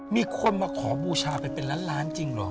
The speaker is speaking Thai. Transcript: มีคนมาขอบูชาไปเป็นล้านล้านจริงเหรอ